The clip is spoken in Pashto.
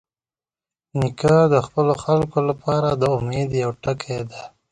نیکه د خپلو خلکو لپاره د امید یوه ټکۍ ده.